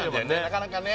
なかなかね